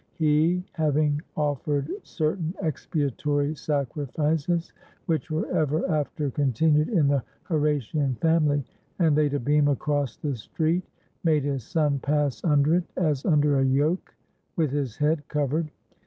He, having offered cer tain expiatory sacrifices, which were ever after con tinued in the Horatian family, and laid a beam across the street, made his son pass under it as under a yoke, with his head covered.